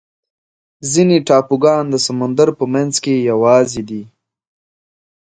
ځینې ټاپوګان د سمندر په منځ کې یوازې دي.